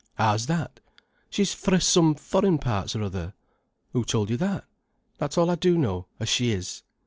"How's that?" "She's fra some foreign parts or other." "Who told you that?" "That's all I do know, as she is."